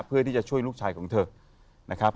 เพื่อที่จะช่วยลูกชายของเธอนะครับ